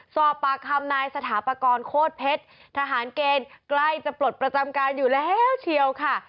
สอบปากคำนายสถาปกรณ์โคตรเพชรทหารเกณฑ์ใกล้จะปลดประจำการอยู่แล้วเชียวค่ะ